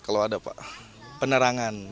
kalau ada pak penerangan